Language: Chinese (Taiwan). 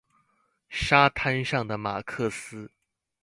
沙灘上的馬克思